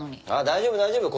大丈夫大丈夫。